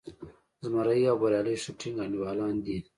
زمری او بریالی ښه ټینګ انډیوالان دي.